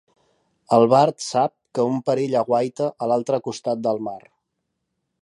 El bard sap que un perill aguaita a l'altre costat del mar.